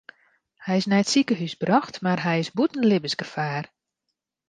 Hy is nei it sikehús brocht mar hy is bûten libbensgefaar.